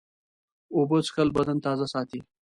اوبه څښل بدن تازه ساتي.